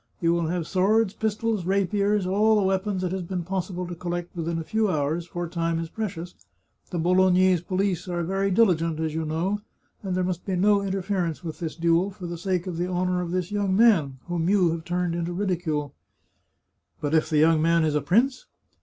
You will have swords, pistols, rapiers — all the weapons it has been pos sible to collect within a few hours, for time is precious ; the Bolognese police are very diligent, as you know, and there must be no interference with this duel, for the sake of the honour of this young man, whom you have turned into ridicule." " But if the young man is a prince